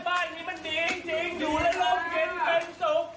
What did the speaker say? บ้านนี้มันดีจริงอยู่แล้วร่มเย็นเป็นสุข